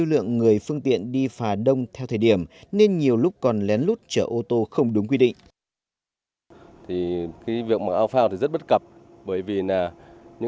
lượng người phương tiện đi phà đông theo thời điểm nên nhiều lúc còn lén lút chở ô tô không đúng quy định